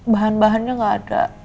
bahan bahannya gak ada